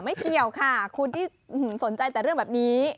ไม่เกี่ยวค่ะคุณที่สนใจแต่เรื่องแบบนี้